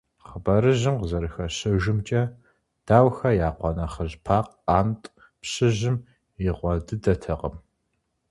Хъыбарыжьым къызэрыхэщыжымкӏэ, Даухэ я къуэ нэхъыжь Пакъ – къант, пщыжьым и къуэ дыдэтэкъым.